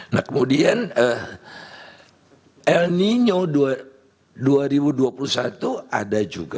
nah kemudian el nino dua ribu dua puluh satu ada juga